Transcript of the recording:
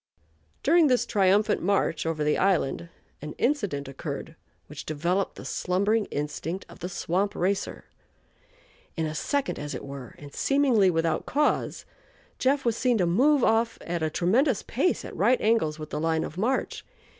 During this triumphant march over the island an incident occurred which developed the slumbering instinct of the swamp "racer." In a second, as it were, and seemingly without cause, "Jeff" was seen to move off at a tremendous pace at right angles with the line of march.